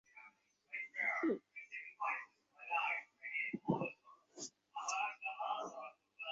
আমাকে কী বলবে?